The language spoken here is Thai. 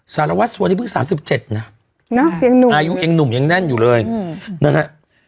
สารวัสสัวนี้เพิ่งสามสิบเจ็ดนะเนอะยังหนุ่มอายุยังหนุ่มยังแน่นอยู่เลยอืมนะฮะ